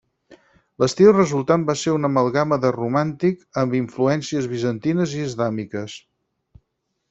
L'estil resultant va ser una amalgama de romànic amb influències bizantines i islàmiques.